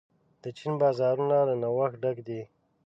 د چین بازارونه له نوښت ډک دي.